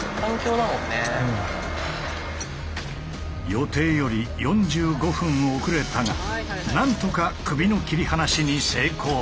予定より４５分遅れたが何とか首の切り離しに成功した。